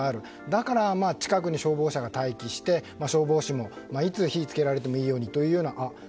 だから、近くに消防車が待機して消防士も、いつ火を付けられてもいいようにと。